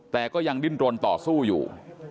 แต่ก็ยังดิ้นรนต่อสู้อยู่